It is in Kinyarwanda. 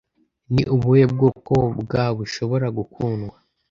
Ni ubuhe bwoko bwa bushobora gukundwa